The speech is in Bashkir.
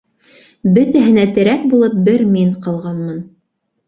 Бөтәһенә терәк булып бер мин ҡалғанмын...